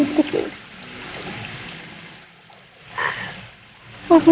aku tak tahu